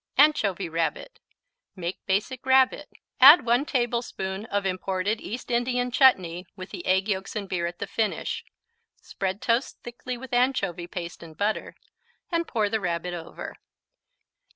Anchovy Rabbit Make Basic Rabbit, add 1 tablespoon of imported East Indian chutney with the egg yolks and beer at the finish, spread toast thickly with anchovy paste and butter, and pour the Rabbit over.